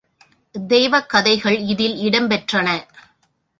தெய்வக் கதைகள் இதில் இடம் பெற்றன.